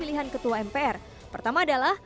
pilihan ketua mpr pertama adalah